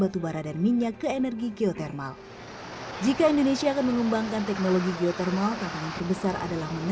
garis yang mengubah teknologi geotermal